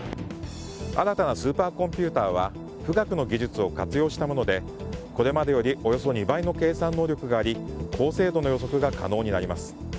新たなスーパーコンピューターは「富岳」の技術を活用したものでこれまでよりおよそ２倍の計算能力があり高精度の予測が可能になります。